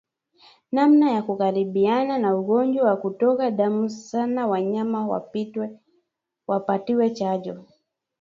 Namna ya kukabiliana na ugonjwa wa kutoka damu sana wanyama wapatiwe chanjo